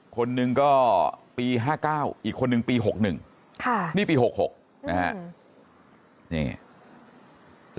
คนนึงก็ปี๕๙อีกคนนึงปี๖๑ค่ะนี่ปี๖๖นะฮะนี่ไง